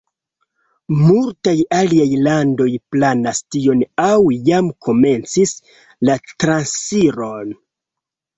Multaj aliaj landoj planas tion aŭ jam komencis la transiron.